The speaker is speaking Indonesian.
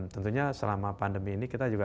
tentunya selama pandemi ini kita juga